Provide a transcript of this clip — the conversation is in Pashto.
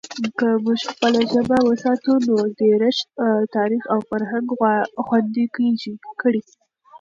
که موږ خپله ژبه وساتو، نو دیرش تاریخ او فرهنگ خوندي کړي.